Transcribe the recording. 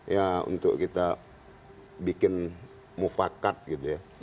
ya untuk kita bikin mufakat gitu ya